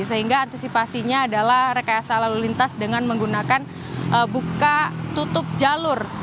sehingga antisipasinya adalah rekayasa lalu lintas dengan menggunakan buka tutup jalur